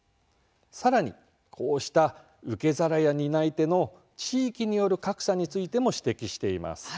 さらに、こうした受け皿や担い手の地域による格差についても指摘しています。